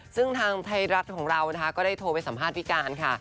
ซึ่งทางไทยรัฐของเรานะคะก็ได้โทรไปสัมภาษณ์พี่การค่ะ